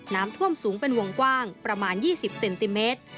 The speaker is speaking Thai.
น้ำท่วมสูงเป็นวงกว้างประมาณ๒๐เซนติเมตร